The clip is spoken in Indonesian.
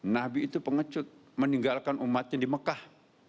nabi itu pengecut meninggalkan umatnya di mekah